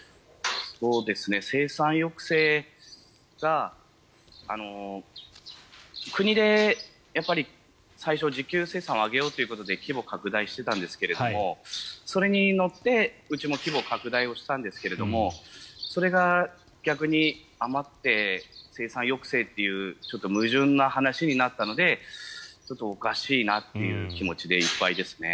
生産抑制が国で最初需給生産を上げようということで規模を拡大していたんですがそれに乗ってうちも規模拡大したんですけどもそれが逆に余って生産抑制という矛盾な話になったのでおかしいなという気持ちでいっぱいですね。